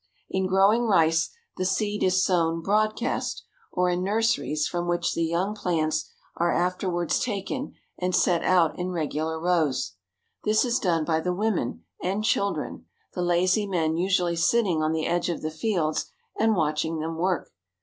In growing rice, the seed is sown broadcast, or in nurs eries from which the young plants are afterwards taken and set out in regular rows. This is done by the women and children, the lazy men usually sitting on the edge of the fields and watching them work.